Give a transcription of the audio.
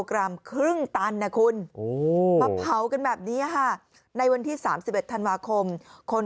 กรัมครึ่งตันนะคุณมาเผากันแบบนี้ค่ะในวันที่๓๑ธันวาคมคน